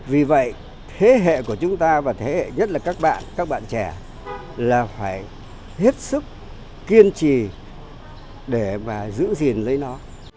vì vậy thế hệ của chúng ta và thế hệ nhất là các bạn các bạn trẻ là phải hết sức kiên trì để mà giữ gìn lấy nó